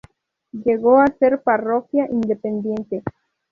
Llegó a ser parroquia independiente.